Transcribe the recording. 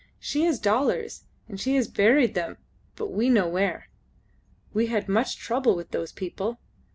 "She has dollars, and she has buried them, but we know where. We had much trouble with those people.